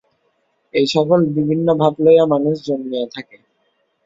এই-সকল বিভিন্ন ভাব লইয়া মানুষ জন্মিয়া থাকে।